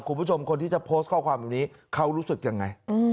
คุณผู้ชมคนที่จะโพสต์ข้อความแบบนี้เขารู้สึกยังไง